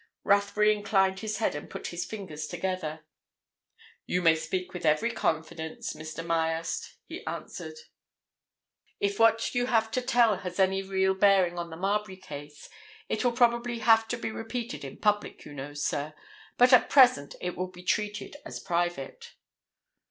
Rathbury inclined his head and put his fingers together. "You may speak with every confidence, Mr. Myerst," he answered. "If what you have to tell has any real bearing on the Marbury case, it will probably have to be repeated in public, you know, sir. But at present it will be treated as private."